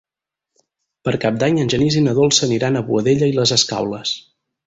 Per Cap d'Any en Genís i na Dolça aniran a Boadella i les Escaules.